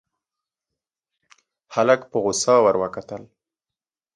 هلک په غوسه ور وکتل.